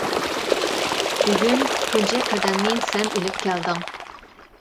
بۈگۈن تۇنجى قەدەمنى سەن ئېلىپ كەلدىڭ.